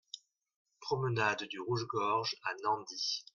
Promenade du Rouge Gorge à Nandy